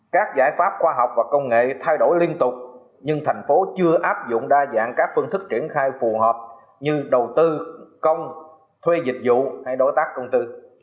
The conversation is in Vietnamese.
các phương thức triển khai phù hợp như đầu tư công thuê dịch vụ hay đối tác công tư